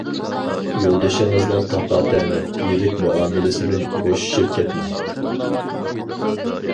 يولدىشىڭىزنىڭ تاپا-تەنە، يىرىك مۇئامىلىسىدىن بوشىشىپ كەتمەڭ.